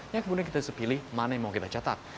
ya kemudian kita bisa pilih mana yang mau kita cetak